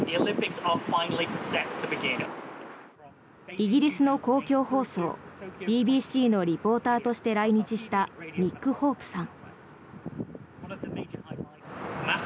イギリスの公共放送ＢＢＣのリポーターとして来日したニック・ホープさん。